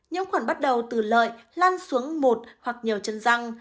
nhiễm khuẩn bắt đầu từ lợi lan xuống một hoặc nhiều chân răng